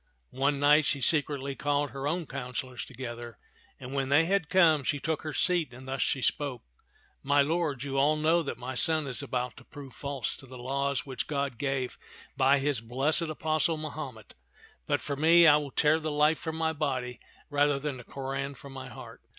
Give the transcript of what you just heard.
One night she secretly called her own councilors together, and when they had come, she took her seat and thus she spoke: "My lords, you all know that my son is about to prove false to the laws which God gave by his blessed apostle Mahomet ; but as for me, I will tear the life from my body rather t^^ ()(n(xn of ^ix)v'0 tak 59 than the Koran from my heart.